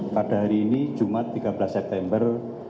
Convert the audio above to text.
pada hari ini jumat tiga belas september